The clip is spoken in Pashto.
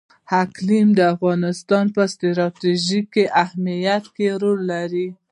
اقلیم د افغانستان په ستراتیژیک اهمیت کې رول لري.